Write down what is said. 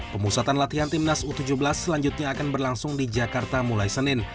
pemusatan latihan timnas u tujuh belas selanjutnya akan berlangsung di jakarta mulai senin